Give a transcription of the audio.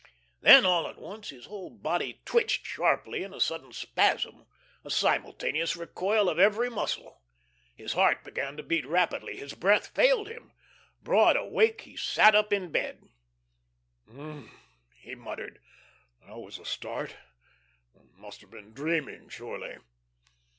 Then, all at once, his whole body twitched sharply in a sudden spasm, a simultaneous recoil of every muscle. His heart began to beat rapidly, his breath failed him. Broad awake, he sat up in bed. "H'm!" he muttered. "That was a start must have been dreaming, surely."